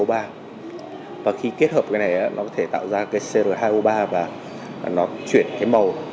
và khi kết hợp cái này nó có thể tạo ra cái cr hai o ba và nó chuyển cái màu